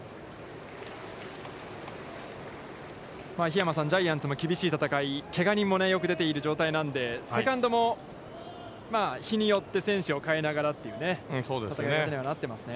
桧山さん、ジャイアンツも厳しい戦い、けが人もよく出ている状態なんで、セカンドも日によって選手を代えながらという戦いにはなっていますね。